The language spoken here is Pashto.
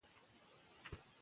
که کتاب وي نو ملګری وي.